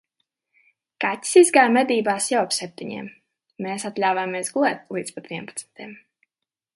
Kaķis izgāja medībās jau ap septiņiem, mēs atļāvāmies gulēt līdz pat vienpadsmitiem.